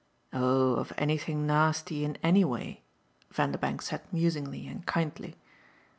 "Oh of anything nasty in any way," Vanderbank said musingly and kindly.